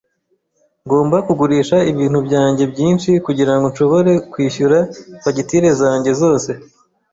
Ngomba kugurisha ibintu byanjye byinshi kugirango nshobore kwishyura fagitire zanjye zose.